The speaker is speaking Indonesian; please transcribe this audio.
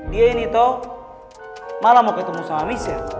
dia ini tuh malah mau ketemu sama misa